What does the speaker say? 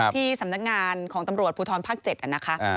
ที่สำนักงานของตำรวจภูทรภาค๗นะคะ